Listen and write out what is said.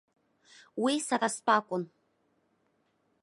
Уи сара стәы акәын.